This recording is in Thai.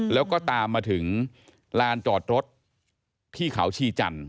แล้วก็ตามมาถึงลานจอดรถที่เขาชีจันทร์